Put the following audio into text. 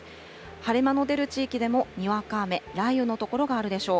晴れ間の出る地域でも、にわか雨、雷雨の所があるでしょう。